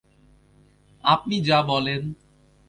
আপনি যা বলেন।